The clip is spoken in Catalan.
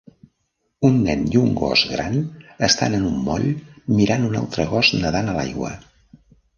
Un nen i un gos gran estan en un moll mirant un altre gos nedant a l"aigua.